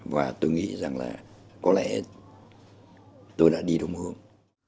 và tôi nghĩ rằng là có lẽ tôi đã đi đúng hướng